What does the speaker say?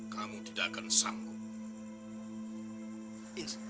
kamu tidak akan sanggup